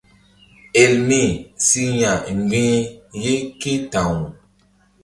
Elmi si ya̧ mgbi̧h ye ké ta̧w.